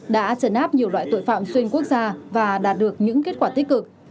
đã trấn áp nhiều loại tội phạm xuyên quốc gia và đạt được những kết quả tích cực